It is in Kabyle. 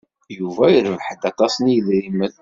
Yuba irebbeḥ-d aṭas n yedrimen.